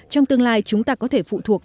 trong tương lai chúng ta có thể phụ thuộc